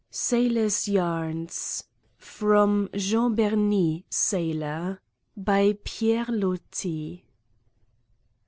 SAILORS' YARNS (From Jean Berny, Sailor.) By PIERRE LOTI.